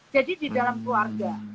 jadi di dalam keluarga